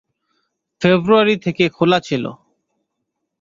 ফেব্রুয়ারি থেকে খোলা ছিল।